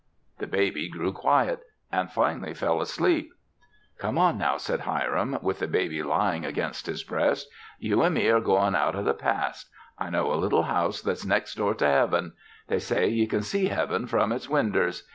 The baby grew quiet and finally fell asleep. "Come on, now," said Hiram, with the baby lying against his breast. "You an' me are goin' out o' the past. I know a little house that's next door to Heaven. They say ye can see Heaven from its winders.